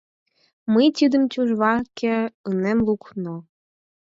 Мый тидым тӱжваке ынем лук, но...